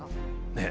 ねえ。